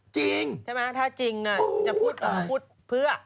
จริงใช่ไหมถ้าจริงจะพูดเพื่อ